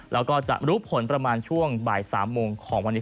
แล้วก็จะรู้ผลประมาณช่วงบ่าย๓โมงของวันนี้